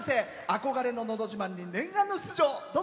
憧れの「のど自慢」に念願の出場。